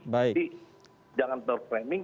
jadi jangan terframing